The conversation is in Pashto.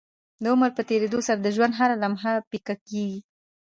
د عمر په تيريدو سره د ژوند هره لمحه پيکه کيږي